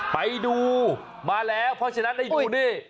ไปดูมาแล้วเพราะฉะนั้นให้ดูนี่